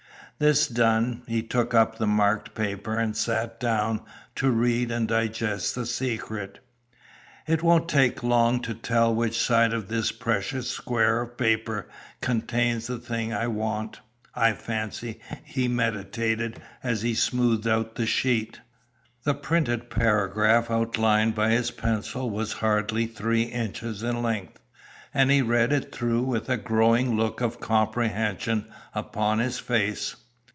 This done, he took up the marked paper and sat down to read and digest the secret. "It won't take long to tell which side of this precious square of paper contains the thing I want, I fancy," he meditated, as he smoothed out the sheet. The printed paragraph outlined by his pencil was hardly three inches in length, and he read it through with a growing look of comprehension upon his face.